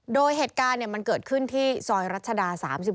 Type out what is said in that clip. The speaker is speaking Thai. โดยเหตุการณ์มันเกิดขึ้นที่ซอยรัชดา๓๔